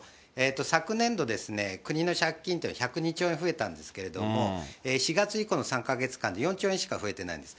昨年度ですね、国の借金っていうのは１０２兆円増えたんですけれども、４月以降の３か月間で４兆円しか増えてないんです。